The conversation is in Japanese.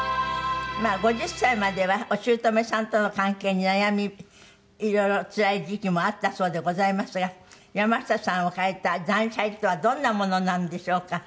５０歳まではお姑さんとの関係に悩みいろいろつらい時期もあったそうでございますがやましたさんを変えた断捨離とはどんなものなんでしょうか。